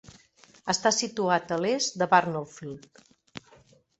Està situat a l'est de Burnopfield.